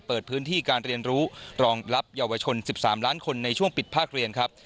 เปิดพื้นที่การเรียนรู้รองรับเยาวชน๑๓ล้านคนในช่วงปิดภาคเรียนครับ